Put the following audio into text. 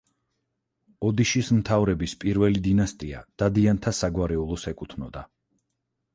ოდიშის მთავრების პირველი დინასტია დადიანთა საგვარეულოს ეკუთვნოდა.